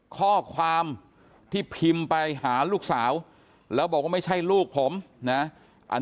ข้อความที่พิมพ์ไปหาลูกสาวแล้วบอกว่าไม่ใช่ลูกผมนะอัน